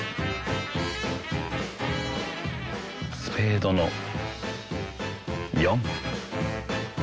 スペードの４。